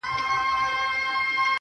• مـاتــه يــاديـــده اشـــــنـــا.